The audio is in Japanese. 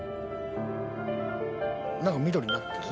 何か緑になってる？